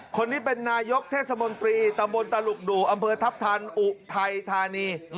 คนนี้เป็นนายกเทศมนตรีตำบลตลุกดู่อำเภอทัพทันอุทัยธานี